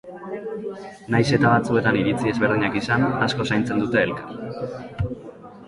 Nahiz eta batzuetan iritzi ezberdinak izan, asko zaintzen dute elkar.